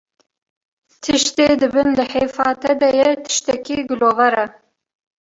tiştê di bin lihêfa te de ye tiştekî gilover e